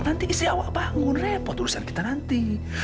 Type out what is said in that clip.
nanti isi awak bangun repot urusan kita nanti